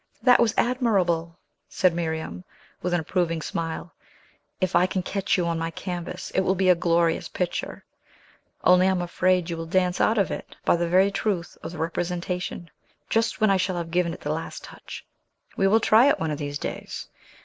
"That was admirable!" said Miriam, with an approving smile. "If I can catch you on my canvas, it will be a glorious picture; only I am afraid you will dance out of it, by the very truth of the representation, just when I shall have given it the last touch. We will try it one of these days.